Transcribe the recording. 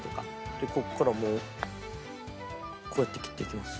でここからもうこうやって切っていきます。